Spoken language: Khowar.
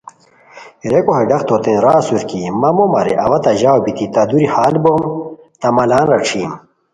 ریکو ہے ڈاق توتین را اسور کی مہ مو مارے اوا تہ ژاؤ بیتی تہ دوری ہال بوم تہ مالان راݯھیم